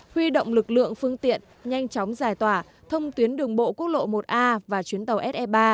huy động lực lượng phương tiện nhanh chóng giải tỏa thông tuyến đường bộ quốc lộ một a và chuyến tàu se ba